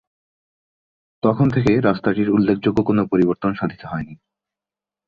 তখন থেকে রাস্তাটির উল্লেখযোগ্য কোন পরিবর্তন সাধিত হয়নি।